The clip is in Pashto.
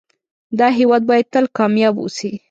دا هيواد بايد تل کامیاب اوسی